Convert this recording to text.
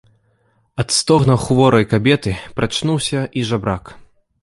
Ад стогнаў хворай кабеты прачнуўся і жабрак.